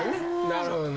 なるほど。